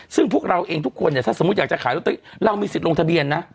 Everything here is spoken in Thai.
ซึ่งพวกเราเองทุกคนเนี่ยถ้าสมมุติอยากจะขายลอตเตอรี่เรามีสิทธิ์ลงทะเบียนนะ